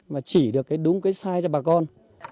mà chỉ được đúng cái size cho bà con